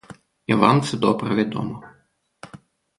І вам це добре відомо.